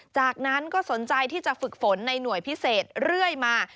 จากนั้นก็สนใจที่จะฝึกฝนในหน่วยพิเศษเรื่อยมา